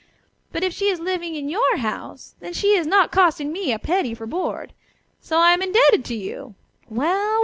But if she is living in your house she is not costing me a penny for board. So I am indebted to you. Well!